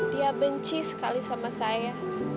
dia benci sekali sama saya